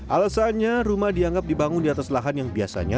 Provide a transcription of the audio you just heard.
alasannya rumah dianggap dibangun di atas lahan yang biasanya